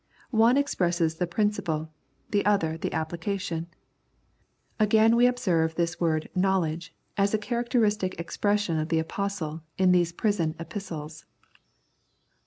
One expresses the principle, the other the application. Again we observe this word " knowledge " as a characteristic expression of the Apostle in these prison 130 Love and Discernment epistles.